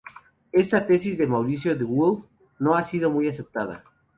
Esta tesis de Maurice De Wulf no ha sido muy aceptada.